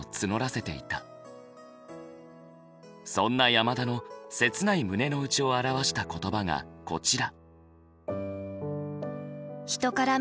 そんな山田の切ない胸の内を表した言葉がこちら。